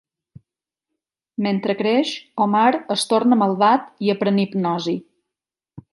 Mentre creix, Omar es torna malvat i aprèn hipnosi.